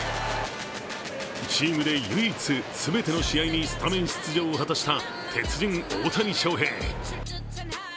チームで唯一、全ての試合にスタメン出場を果たした鉄人・大谷翔平。